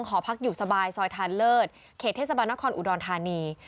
หอพักอยู่สบายซอยทานเลิศเขตเทศบาลนครอุดรธานี